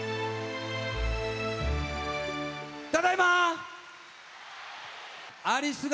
ただいま！